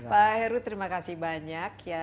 pak ero terima kasih banyak ya